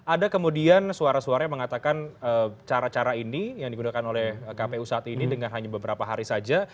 ada kemudian suara suara yang mengatakan cara cara ini yang digunakan oleh kpu saat ini dengan hanya beberapa hari saja